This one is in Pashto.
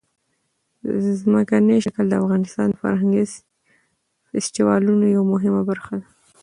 ځمکنی شکل د افغانستان د فرهنګي فستیوالونو یوه مهمه برخه ده.